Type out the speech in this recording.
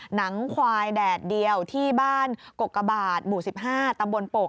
หนังควายแดดเดียวที่บ้านกกบาทหมู่๑๕ตำบลโปก